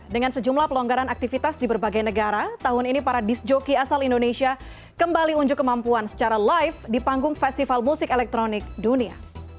dengan sejumlah pelonggaran aktivitas di berbagai negara tahun ini para disc joki asal indonesia kembali unjuk kemampuan secara live di panggung festival musik elektronik dunia